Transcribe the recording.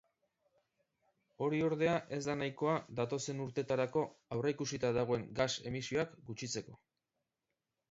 Hori, ordea, ez da nahikoa datozen urteetarako aurreikusita dagoen gas-emisioak gutxitzeko.